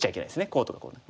こうとかこうとか。